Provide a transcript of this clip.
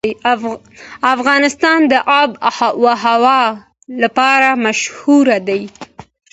افغانستان د آب وهوا لپاره مشهور دی.